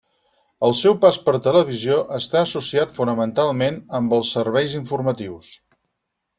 El seu pas per televisió està associat fonamentalment amb els serveis informatius.